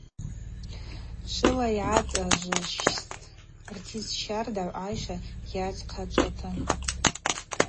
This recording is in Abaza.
Швыла йгӏацӏажвыжьстӏ – артист щардагӏв айшва йадзхъачӏвата.